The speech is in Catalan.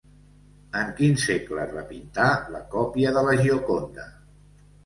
En quin segle es va pintar la còpia de La Gioconda?